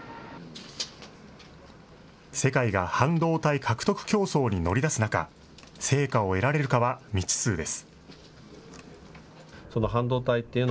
世界が半導体獲得競争に乗り出す中、成果を得られるかは未知数です。